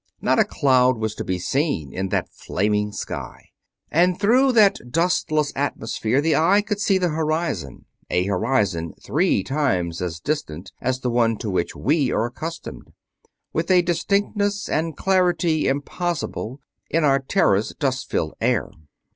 Not a cloud was to be seen in that flaming sky, and through that dustless atmosphere the eye could see the horizon a horizon three times as distant as the one to which we are accustomed with a distinctness and clarity impossible in our Terra's dust filled air.